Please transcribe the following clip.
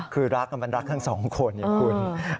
คือรักมันรักทั้งสองคนไงคุณ